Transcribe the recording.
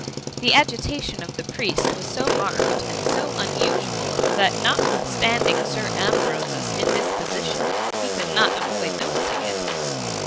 The agitation of the priest was so marked and so unusual, that notwithstanding Sir Ambrose's indisposition, he could not avoid noticing it.